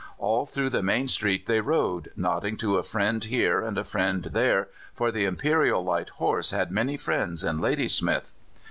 All through the main street they rode, nodding to a friend here and a friend there, for the Imperial Light Horse had many friends in Ladysmith.